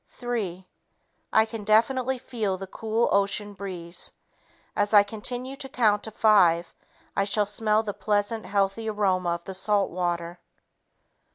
Three ... I can definitely feel the cool ocean breeze. As I continue to count to five, I shall smell the pleasant, healthy aroma of the salt water.